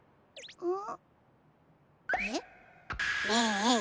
うん？